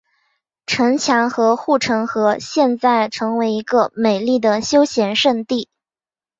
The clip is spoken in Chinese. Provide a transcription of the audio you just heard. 城墙和护城河现在成为一个美丽的休闲胜地。